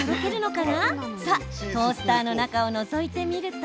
トースターの中をのぞいてみると。